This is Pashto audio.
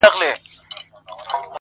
لوبي له لمبو سره بل خوند لري -